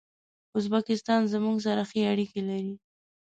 ازبکستان زموږ سره ښې اړیکي لري.